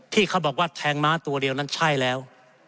ที่เขาบอกว่าแทงม้าตัวเดียวนั้นใช่แล้ว